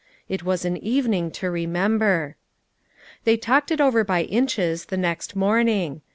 It was an evening to remember. They talked it over by inches the next morn ing.